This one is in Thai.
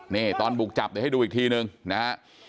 นี่ตอนบุกจับเดี๋ยวให้ดูอีกทีนึงนะฮะ